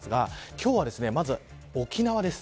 今日はまず沖縄です。